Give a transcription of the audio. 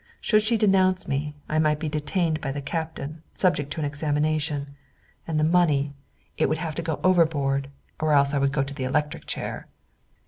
Should she denounce me, I might be detained by the Captain, subject to an examination. And the money; it would have to go overboard or else I would go to the electric chair."